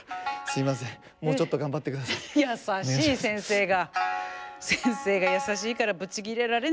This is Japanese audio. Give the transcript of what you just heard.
やさしい先生が。